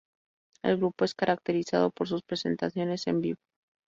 El grupo es caracterizado por sus presentaciones en vivo.